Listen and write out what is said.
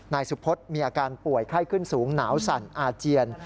นายสุพฤษมีอาการป่วยไข้ขึ้นสูงหนาวสั่นอาเจียน